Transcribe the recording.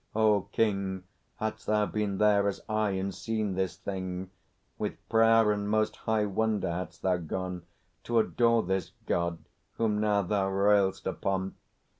O King, Hadst thou been there, as I, and seen this thing, With prayer and most high wonder hadst thou gone To adore this God whom now thou rail'st upon!